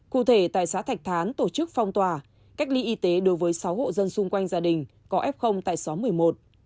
cụ thể tại xã thạch thán tổ chức phong tỏa cách ly y tế đối với sáu hộ dân xung quanh gia đình có f tại xóm một mươi một